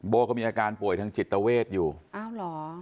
เขามีอาการป่วยทางจิตเวทอยู่อ้าวเหรอ